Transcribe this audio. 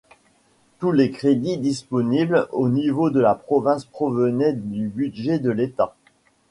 Tous les crédits disponibles au niveau de la province provenaient du budget de l'État.